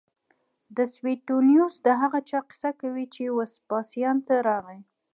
سویټونیوس د هغه چا کیسه کوي چې وسپاسیان ته راغی